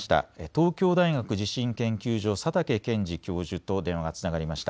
東京大学地震研究所の佐竹健治教授と電話がつながりました。